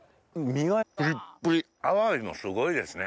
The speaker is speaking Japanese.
プリップリアワビもすごいですね。